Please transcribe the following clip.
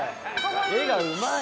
絵がうまい。